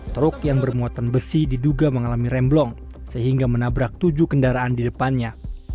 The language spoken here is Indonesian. truk yang bermuatan besi diduga mengalami remblong sehingga menabrak tujuh kendaraan di depannya